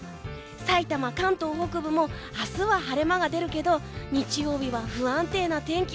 さいたま、関東北部も明日は晴れ間が出るけど日曜日は不安定な天気。